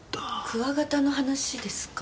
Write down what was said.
クワガタの話ですか？